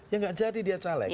ya nggak jadi dia caleg